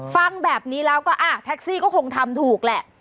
ฟังแบบนี้แล้วก็แท็กซี่ก็คงทำถูกแหละ